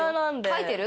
書いてる？